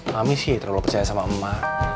mami sih terlalu percaya sama emak